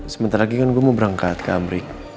sebentar lagi kan gue mau berangkat ke amrik